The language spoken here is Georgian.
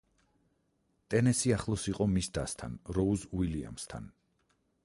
ტენესი ახლოს იყო მის დასთან, როუზ უილიამსთან.